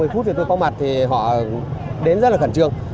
một mươi phút thì tôi có mặt thì họ đến rất là khẩn trương